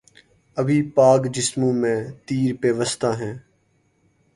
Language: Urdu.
ابھی پاک جسموں میں تیر پیوستہ ہیں